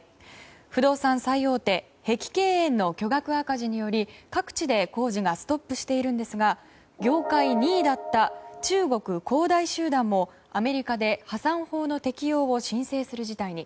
不動産最大手、碧桂園の巨額赤字により各地で工事がストップしているんですが業界２位だった中国恒大集団もアメリカで破産法の適用を申請する事態に。